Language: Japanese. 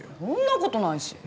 そんなことないし。